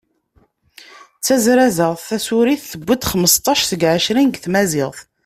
D tazrazaɣt tasurit, tewwi-d xmesṭac seg ɛecrin deg tmaziɣt.